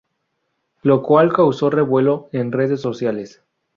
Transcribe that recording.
Lo cual causó revuelo en redes sociales.